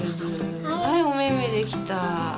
はいおめめできた。